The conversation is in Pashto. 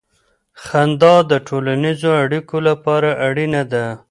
خندا د ټولنیزو اړیکو لپاره اړینه ده.